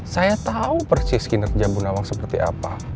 saya tahu persis kinerja bu nawang seperti apa